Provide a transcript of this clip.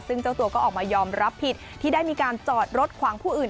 ซึ่งเจ้าตัวก็ออกมายอมรับผิดที่ได้มีการจอดรถขวางผู้อื่น